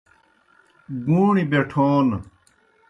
گُوݨیْ بیٹھون